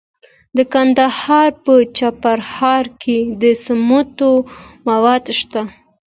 د ننګرهار په چپرهار کې د سمنټو مواد شته.